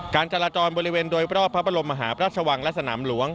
การจราจรบริเวณโดยรอบพระบรมมหาพระราชวังและสนามหลวง